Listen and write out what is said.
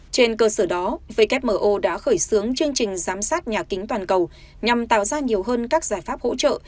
trên cơ sở đó wmo đã khởi xướng chương trình giám sát nhà kính toàn cầu nhằm tạo ra nhiều hơn các giải pháp hỗ trợ